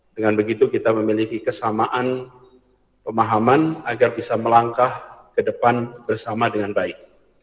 dengan begitu kita memiliki kesamaan pemahaman agar bisa melangkah ke depan bersama dengan baik